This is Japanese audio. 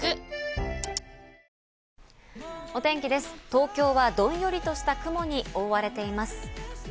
東京はどんよりとした雲に覆われています。